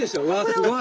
すごい！